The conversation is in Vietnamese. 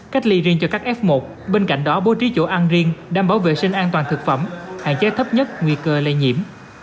cách ly riêng cho các f một bên cạnh đó bố trí chỗ ăn riêng đảm bảo vệ sinh an toàn thực phẩm hạn chế thấp nhất nguy cơ lây nhiễm